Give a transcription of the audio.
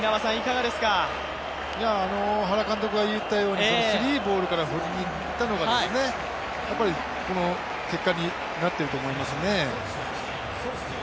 原監督が言ったように、スリーボールから振りにいったのがこの結果になっていると思いますね。